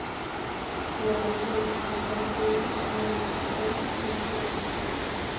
En la película, el personaje de Judy es más intelectual y tiene estudios científicos.